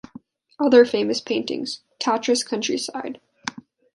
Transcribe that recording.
Other famous paintings: Tatras countryside.